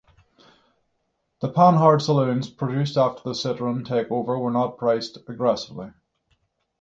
The Panhard saloons produced after the Citroen take-over were not priced aggressively.